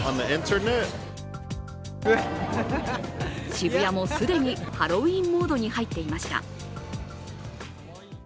渋谷も既にハロウィーンモードに入っていました。